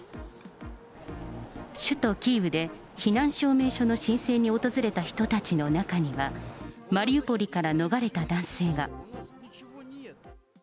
首都キーウで、避難証明書の申請に訪れた人たちの中には、マリウポリから逃れた男性が。